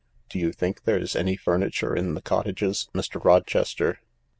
Do you think there's any furniture in the cottages, Mr. Rochester